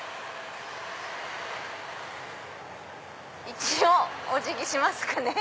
一応お辞儀しますかね。